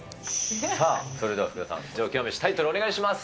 さあ、それでは福田さん、上京メシ、タイトルお願いします。